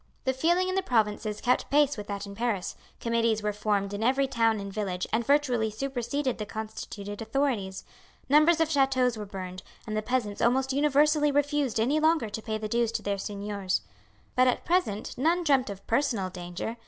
The feeling in the provinces kept pace with that in Paris. Committees were formed in every town and village and virtually superseded the constituted authorities. Numbers of chateaux were burned, and the peasants almost universally refused any longer to pay the dues to their seigneurs. But at present none dreamt of personal danger.